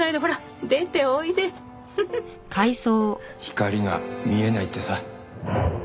光が見えないってさ。